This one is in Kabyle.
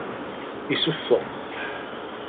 Iseffeq.